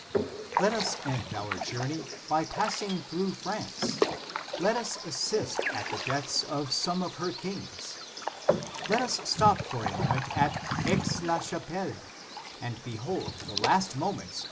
Let us end our journey by passing through France ; let us assist at the deaths of some of her kings. Let us stop for a moment at Aix la chapelle, and behold the last moments of * S. Hier., De Vit. S. Paul.